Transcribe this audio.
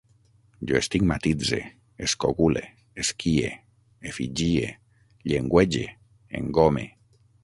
Jo estigmatitze, escogule, esquie, efigie, llengüege, engome